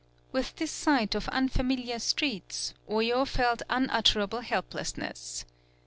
With this sight of unfamiliar streets, Oyo felt unutterable helplessness.